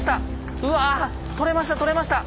うわ取れました取れました！